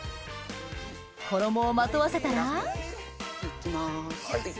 衣をまとわせたらいっきます。